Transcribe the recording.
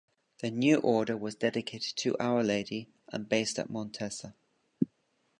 The new order was dedicated to Our Lady, and based at Montesa.